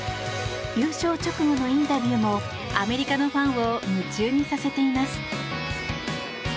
優勝直後のインタビューもアメリカのファンを夢中にさせています。